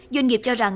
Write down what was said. doanh nghiệp cho rằng